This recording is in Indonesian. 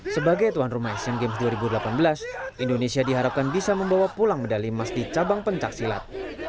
sebagai tuan rumah asian games dua ribu delapan belas indonesia diharapkan bisa membawa pulang medali emas di cabang pencaksilat